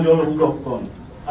di jawa tapanur